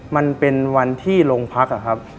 มันเป็นวันที่โรงพักษ์ครับครับ